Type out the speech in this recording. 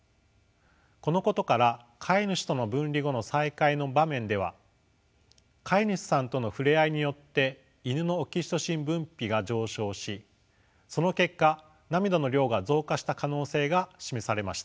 このことから飼い主との分離後の再会の場面では飼い主さんとの触れ合いによってイヌのオキシトシン分泌が上昇しその結果涙の量が増加した可能性が示されました。